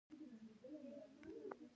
غرونه به شنه شي؟